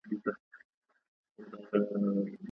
غازي د چا وو یتیم څوک وو پلار یې چا وژلی؟